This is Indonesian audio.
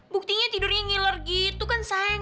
buktinya tidurnya ngiler gitu kan sayang